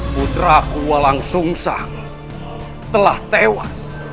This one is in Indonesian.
putraku walang sungshang telah tewas